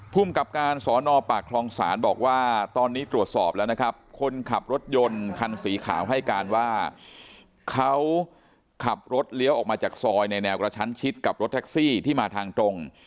ภูมิกับการสอนอปากคลองศาลบอกว่าตอนนี้ตรวจสอบแล้วนะครับคนขับรถยนต์คันสีขาวให้การว่าเขาขับรถเลี้ยวออกมาจากซอยในแนวกระชั้นชิดกับรถแท็กซี่ที่มาทางตรง